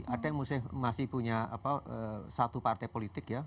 ada yang masih punya satu partai politik ya